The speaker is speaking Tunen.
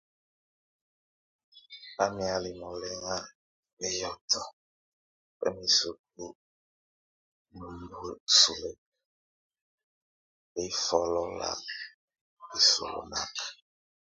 Bamíalɛ molɛ́ŋɛ lɛ yɔtɔ, bá miseku munumbue sulek, bʼ éfolola bésolonak.